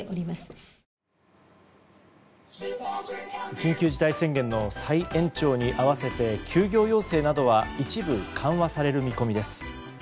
緊急事態宣言の再延長に合わせて休業要請などは一部緩和される見込みです。